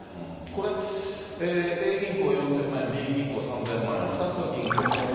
これ、Ａ銀行４０００万円、Ｂ銀行３００万円、２つの銀行。